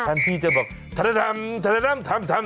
ช่างพี่จะบอกธรรมธรรมธรรมธรรม